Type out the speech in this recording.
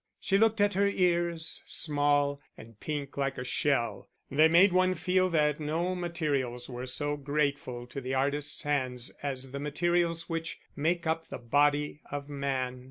She looked at her ears small, and pink like a shell; they made one feel that no materials were so grateful to the artist's hands as the materials which make up the body of man.